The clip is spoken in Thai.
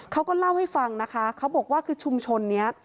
เขาก็เล่าให้ฟังนะคะเขาบอกว่าคือชุมชนนี้